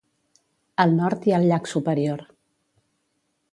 Al nord hi ha el llac Superior.